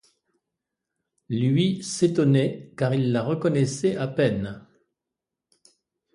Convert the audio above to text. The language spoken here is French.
Lui, s'étonnait, car il la reconnaissait à peine.